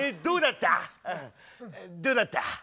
どうだった？